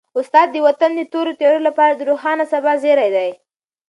استاد د وطن د تورو تیارو لپاره د روښانه سبا زېری دی.